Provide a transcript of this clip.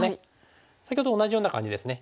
先ほどと同じような感じですね。